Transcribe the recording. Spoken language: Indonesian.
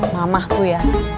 mama tuh ya